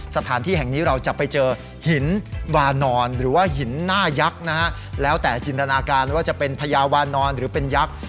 สถานที่แห่งนี้เราจะไปเจอหินวานอนหรือว่าหินหน้ายักษ์นะฮะแล้วแต่จินตนาการว่าจะเป็นพญาวานอนหรือเป็นยักษ์